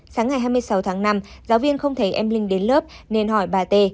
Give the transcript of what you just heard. sáng ngày hai mươi sáu tháng năm giáo viên không thấy em linh đến lớp nên hỏi bà t